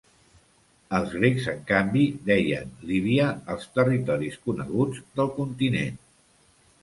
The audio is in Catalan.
Els grecs en canvi deien Líbia als territoris coneguts del continent.